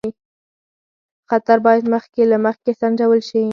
خطر باید مخکې له مخکې سنجول شي.